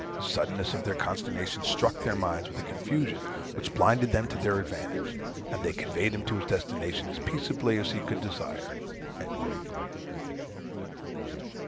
The suddenness of their consternation struck their minds with a confusion which blinded them to their advantage, and they conveyed him to his destination as peaceably as he could desire."